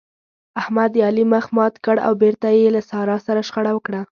احمد د علي مخ مات کړ او بېرته يې له سارا سره شخړه وکړه.